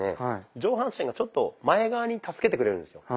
上半身がちょっと前側に助けてくれるんですよ。